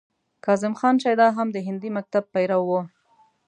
کاظم خان شیدا هم د هندي مکتب پیرو و.